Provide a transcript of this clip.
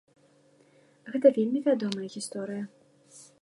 Гэта вельмі вядомая гісторыя.